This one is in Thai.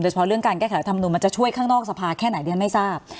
แต่เฉพาะเรื่องการแก้แข่งธรรมนุมมันจะช่วยข้างนอกสภาแค่ไหนเรียนไม่ทราบ